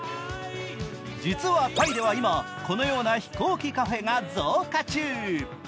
実はタイでは今このような飛行機カフェが増加中。